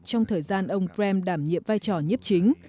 trong thời gian ông krem đảm nhiệm vai trò nhiếp chính